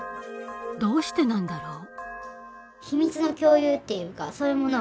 どうしてなんだろう？